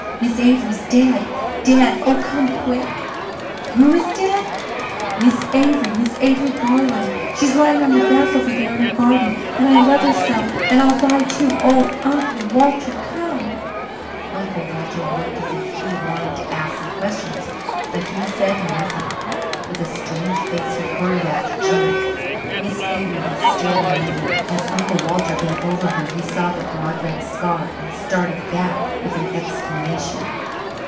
"Miss Avery's dead dead oh, come quick." "Who is dead?" "Miss Avery Miss Avery Garland. She's lying on the grass over there in her garden. And I love her so and I'll die, too oh, Uncle Walter, come." Uncle Walter looked as if he wanted to ask some questions, but he said nothing. With a strange face he hurried after Jims. Miss Avery was still lying there. As Uncle Walter bent over her he saw the broad red scar and started back with an exclamation.